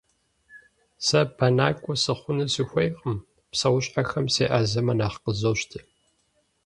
Сэ бэнакӏуэ сыхъуну сыхуейкъым, псэущхьэхэм сеӏэзэмэ нэхъ къызощтэ.